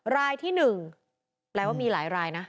รายที่๑แปลว่ามีหลายรายนะ